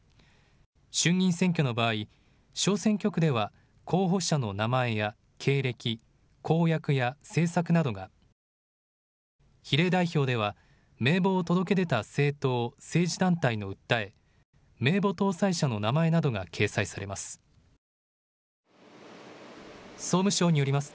衆議院選挙の場合、小選挙区では候補者の名前や経歴、公約や政策などが、比例代表では名簿を届け出た政党・政治団体の訴え、名簿登載者の名前などが掲載されます。